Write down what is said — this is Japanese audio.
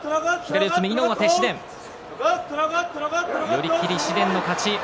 寄り切り、紫雷の勝ち。